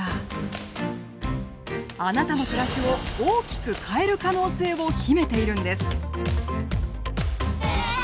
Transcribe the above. あなたの暮らしを大きく変える可能性を秘めているんです！